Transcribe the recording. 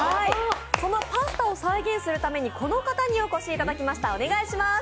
そのパスタを再現するためにこの方にお越しいただきました！